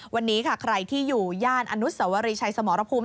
วันนี้ค่ะใครที่อยู่ย่านอนุสวรีชัยสมรภูมิ